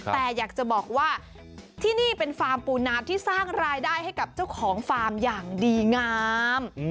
แต่อยากจะบอกว่าที่นี่เป็นฟาร์มปูนาที่สร้างรายได้ให้กับเจ้าของฟาร์มอย่างดีงาม